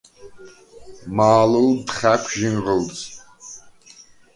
მა̄ლჷლდდ ხა̄̈ქუ̂ ჟინღჷლდს: